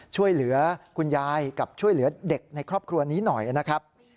ช่วยเหลือคุณยายกับช่วยเหลือเด็กในครอบครัวนี้หน่อยนะครับ